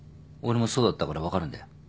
俺もそうだったから分かるんだよ。